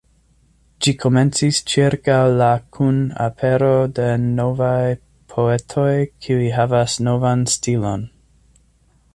Ĝi komencis ĉirkaŭ la kun apero de novaj poetoj kiuj havas novan stilon.